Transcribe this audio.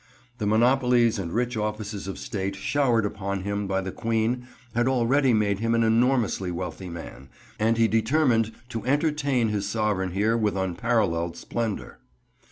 The monopolies and rich offices of State showered upon him by the Queen had already made him an enormously wealthy man, and he determined to entertain his Sovereign here with unparalleled splendour.